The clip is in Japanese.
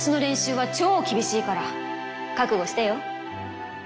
覚悟してよ。